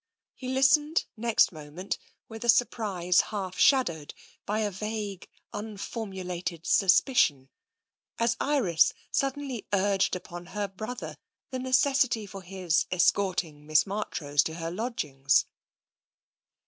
He listened next moment with a surprise half shadowed by a vague unformulated suspicion, as Iris suddenly urged upon her brother the necessity for his escorting Miss Marchrose to her lodgings.